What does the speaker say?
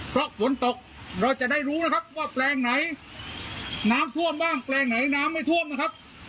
เพราะฝนตกเราจะได้รู้นะครับว่าแปลงไหนน้ำท่วมบ้างแปลงไหนน้ำไม่ท่วมนะครับ